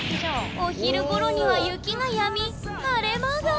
お昼ごろには雪がやみ晴れ間が！